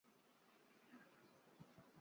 少詹事二员。